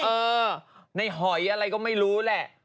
เออในหอยอะไรก็ไม่รู้แหละ